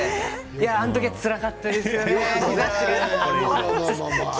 あの時、つらかったですよね。